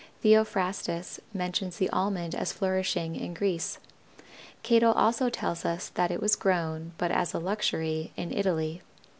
Theophrastus mentions the Almond as flourishing in Greece. Cato also tells us that it was grown, but as a luxury, in Italy.